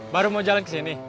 baru mau jalan ke sini